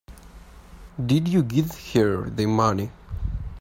Did you give her the money?